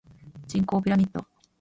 人口ピラミッド